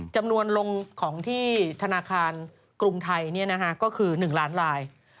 จำนวนลงของที่ธนาคารกรุงไทยก็คือ๑ล้านลาย